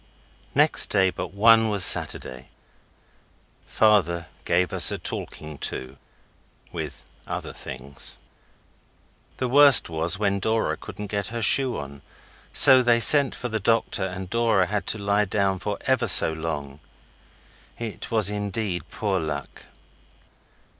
Next day but one was Saturday. Father gave us a talking to with other things. The worst was when Dora couldn't get her shoe on, so they sent for the doctor, and Dora had to lie down for ever so long. It was indeed poor luck.